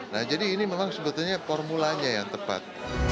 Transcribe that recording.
nah jadi ini memang sebetulnya formulanya yang tepat